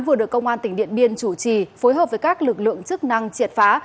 vừa được công an tỉnh điện biên chủ trì phối hợp với các lực lượng chức năng triệt phá